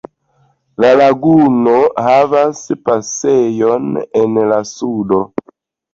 La laguno havas pasejon en la sudo.